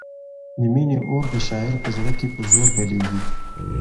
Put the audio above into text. د مینې اور د شاعر په زړه کې په زور بلېږي.